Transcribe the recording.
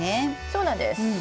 そうなんです。